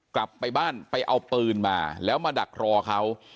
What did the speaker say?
กลับไปบ้านไปเอาปืนมาแล้วมาดักรอเขา